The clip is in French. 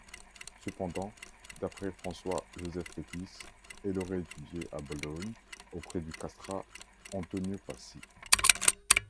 Cependant, d'après François-Joseph Fétis, elle aurait étudié à Bologne auprès du castrat Antonio Pasi.